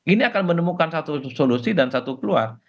ini akan menemukan satu solusi dan satu keluar